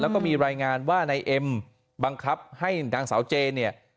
แล้วก็มีรายงานว่านายเอ็มบังคับให้นางสาวเจเนี่ย